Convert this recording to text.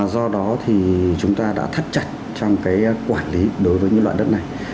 do đó thì chúng ta đã thắt chặt trong cái quản lý đối với những loại đất này